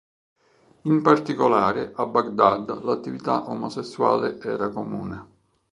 In particolare a Baghdad l'attività omosessuale era comune.